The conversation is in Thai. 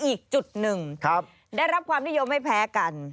อีกจุดหนึ่งได้รับความนิยมไม่แพ้กัน